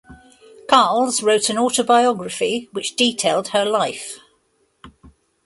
Carles wrote an autobiography which detailed her life.